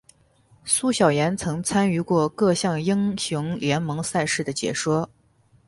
苏小妍曾参与过各项英雄联盟赛事的解说。